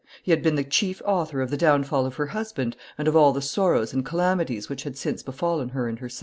"He had been the chief author of the downfall of her husband, and of all the sorrows and calamities which had since befallen her and her son.